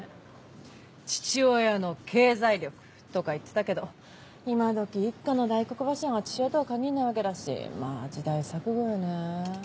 「父親の経済力」とか言ってたけど今どき一家の大黒柱が父親とは限んないわけだしまぁ時代錯誤よね。